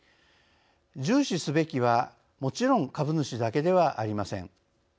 重視すべきはもちろん株主だけではありません。